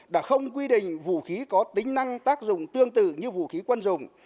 đã không quy định vũ khí có tính năng tác dụng tương tự như vũ khí quân dùng